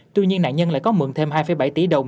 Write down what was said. tuy nhiên nạn nhân lại có mượn thêm hai bảy tỷ đồng